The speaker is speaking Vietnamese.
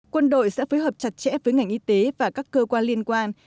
quân đội sẽ phối hợp chặt chẽ với ngành y tế và các cơ quan liên quan